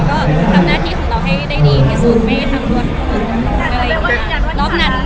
และก็ทำหน้าที่ของเราให้ได้ดีที่สุดไม่ได้ทำดวงศังหลุมหรือเป็นพยายาม